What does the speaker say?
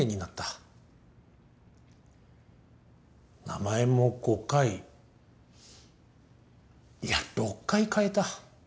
名前も５回いや６回変えた。